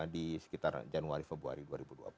di sekitar januari februari dua ribu dua puluh